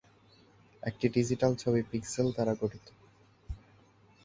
একটি ডিজিটাল ছবি পিক্সেল দ্বারা গঠিত।